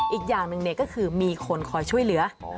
อีกอย่างหนึ่งก็คือมีคนคอยช่วยเหลือ